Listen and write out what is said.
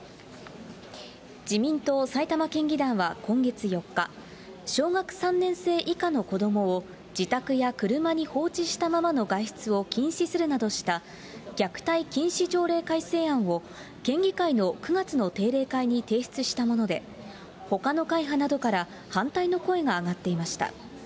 自民党埼玉県議団は今月４日、小学３年生以下の子どもを自宅や車に放置したままの外出を禁止するなどした、虐待禁止条例改正案を、県議会の９月の定例会に提出したもので、ほかの会派などから反対の声が上がっていました。